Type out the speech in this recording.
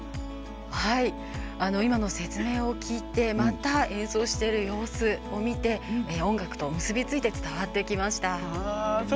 今の説明を聞いてまた演奏している様子を見て音楽と結びついて伝わってきました。